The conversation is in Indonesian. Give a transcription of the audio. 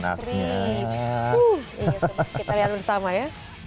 kita lihat bersama ya